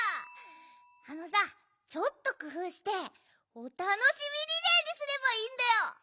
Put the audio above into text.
あのさちょっとくふうしておたのしみリレーにすればいいんだよ！